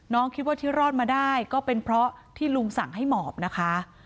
คิดว่าที่รอดมาได้ก็เป็นเพราะที่ลุงสั่งให้หมอบนะคะ